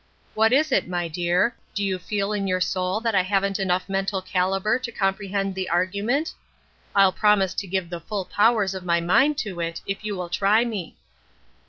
" What is it, my dear ? Do you feel in your soul that I haven't enough mental calibre to compre hend the argument? I'll promise to give the full powers of my mind to it if you will try me."